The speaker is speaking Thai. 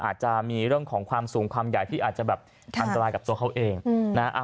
อาจจะมีเรื่องของความสูงความใหญ่ที่อาจจะแบบอันตรายกับตัวเขาเองนะ